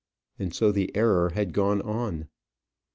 And so the error had gone on.